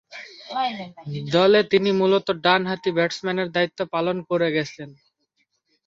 দলে তিনি মূলতঃ ডানহাতি ব্যাটসম্যানের দায়িত্ব পালন করে গেছেন।